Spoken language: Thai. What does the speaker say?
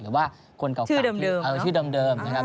หรือว่าชื่อเดิม